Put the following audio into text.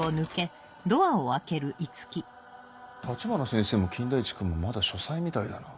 橘先生も金田一君もまだ書斎みたいだな。